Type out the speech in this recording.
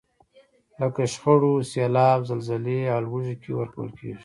لکه شخړو، سیلاب، زلزلې او ولږې کې ورکول کیږي.